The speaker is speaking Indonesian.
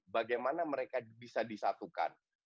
bagaimana mereka bisa disatukan